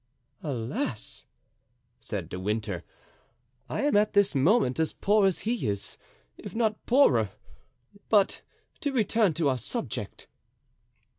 "Alas!" said De Winter, "I am at this moment as poor as he is, if not poorer. But to return to our subject."